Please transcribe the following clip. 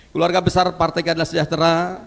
keluarga besar partai keadilan sejahtera